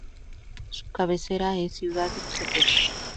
Su cabecera es Ciudad Ixtepec.